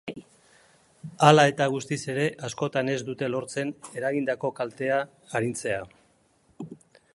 Hala eta guztiz ere, askotan ez dute lortzen eragindako kaltea arintzea.